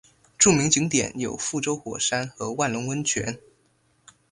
著名景点有覆舟火山和万隆温泉。